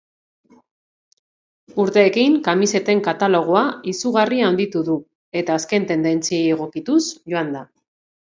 Urteekin kamiseten katalogoa izugarri handitu du eta azken tendentziei egokituz joan da.